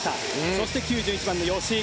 そして９１番の吉井。